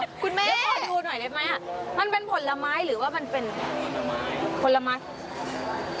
ต่อดูหน่อยเลยไหมมันเป็นผลไม้หรือมันเป็นผลไม้ปวดหละมั้ยอึกย่ะ